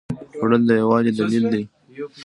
خوړل د یووالي دلیل دی